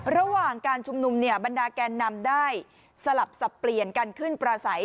ระหว่างการชุมนุมเนี่ยบรรดาแกนนำได้สลับสับเปลี่ยนกันขึ้นประสัย